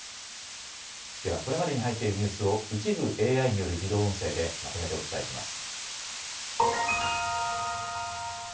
ではこれまでに入っているニュースを、一部ＡＩによる自動音声でまとめてお伝えします。